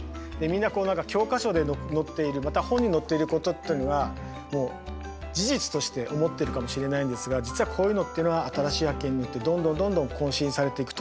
みんなこう何か教科書で載っているまた本に載っていることっていうのがもう事実として思ってるかもしれないんですが実はこういうのっていうのは新しい発見によってどんどんどんどん更新されていく。